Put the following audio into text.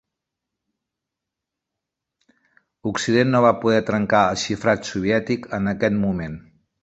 Occident no va poder trencar el xifrat soviètic en aquest moment.